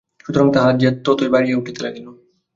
সুতরাং তাহার জেদ ততই বাড়িয়া উঠিতে লাগিল।